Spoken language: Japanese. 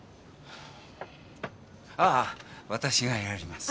ああ私がやります。